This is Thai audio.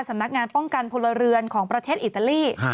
สำนักงานป้องกันพลเรือนของประเทศอิตาลี